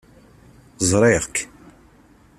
Ẓriɣ-k.